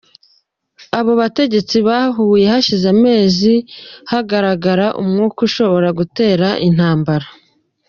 Abo bategetsi bahuye hashize amezi hagaragara umwuka ushobora gutera intambara.